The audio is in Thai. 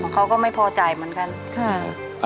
เขาก็ไม่พอใจเหมือนกัน